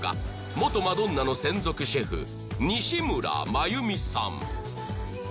元マドンナの専属シェフ西邨マユミさん